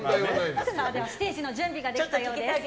ステージの準備ができたようです。